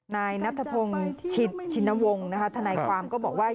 นายนัทพงศ์ชินวงศ์นะคะทนายความก็บอกว่า